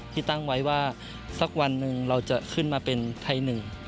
ที่ตั้งไว้ว่าสักวันหนึ่งเราจะขึ้นมาเป็นไทยหนึ่ง